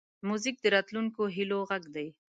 موزیک د راتلونکو هیلو غږ دی.